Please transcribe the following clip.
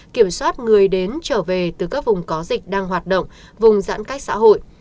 kiểm soát người đến trở về từ các vùng có dịch đang hoạt động vùng giãn cách xã hội